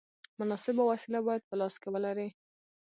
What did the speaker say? مناسبه وسیله باید په لاس کې ولرې.